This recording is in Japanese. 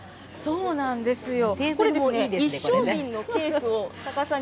そうなんですよ。